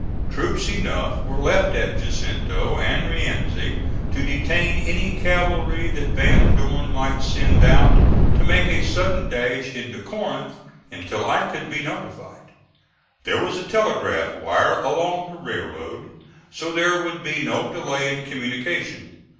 Troops enough were left at Jacinto and Rienzi to detain any cavalry that Van Dorn might send out to make a sudden dash into Corinth until I could be notified. There was a telegraph wire along the railroad, so there would be no delay in communication.